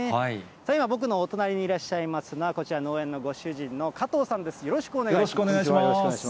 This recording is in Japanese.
今、僕のお隣にいらっしゃいますのは、こちら、農園のご主人の加藤さんよろしくお願いします。